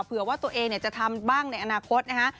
เผื่อว่าตัวเองจะทำบ้างในอนาคตนะฮะ